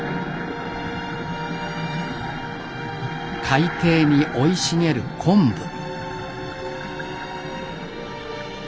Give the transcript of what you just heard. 海底に生い茂る昆布。